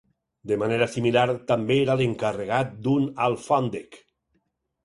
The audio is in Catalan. De manera similar, també era l'encarregat d'un alfòndec.